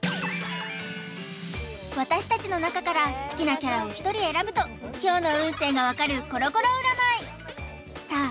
私達の中から好きなキャラを１人選ぶと今日の運勢が分かるコロコロ占いさあ